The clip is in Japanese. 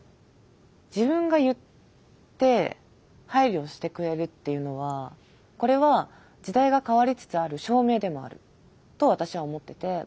自分が言って配慮してくれるっていうのはこれは時代が変わりつつある証明でもあると私は思ってて。